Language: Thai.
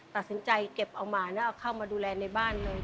ตัดสินใจเก็บเอาหมาแล้วเอาเข้ามาดูแลในบ้านเลย